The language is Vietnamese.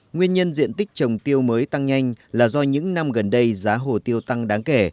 nguyên nhân diện tích trồng tiêu mới tăng nhanh là do những năm gần đây giá hồ tiêu tăng đáng kể